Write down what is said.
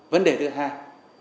vấn đề thứ hai